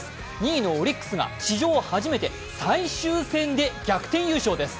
２位のオリックスが史上初めて最終戦で逆転優勝です。